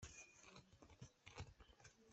Nihin cu kan rian kan sawt ngai.